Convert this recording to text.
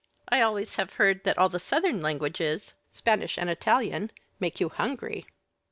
I always have heard that all the southern languages, Spanish and Italian, make you hungry."